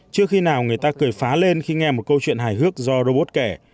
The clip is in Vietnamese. trước khi nào người ta cười phá lên khi nghe một câu chuyện hài hước do robot kẻ